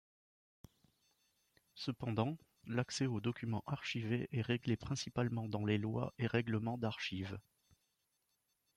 Cependant l'accès aux documents archivés est réglé principalement dans les lois et règlements d'archives.